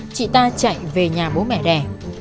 chị ta chạy về nhà bố mẹ đẻ